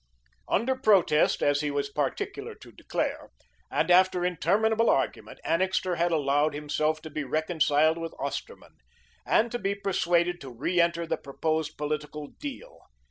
Under protest, as he was particular to declare, and after interminable argument, Annixter had allowed himself to be reconciled with Osterman, and to be persuaded to reenter the proposed political "deal."